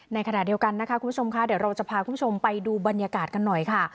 ในขณะเดียวกันนะคะคุณผู้ชมค่ะเดี๋ยวเราจะพาคุณผู้ชมไปดูบรรยากาศกันหน่อยค่ะ